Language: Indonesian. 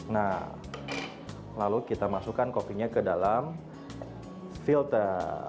nah lalu kita masukkan kopinya ke dalam filter